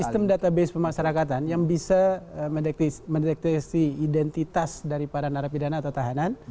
sistem database pemasarakatan yang bisa mendeteksi identitas dari para narapidana atau tahanan